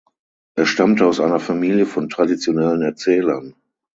Er stammte aus einer Familie von traditionellen Erzählern.